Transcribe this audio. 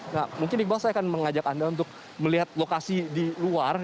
nah mungkin iqbal saya akan mengajak anda untuk melihat lokasi di luar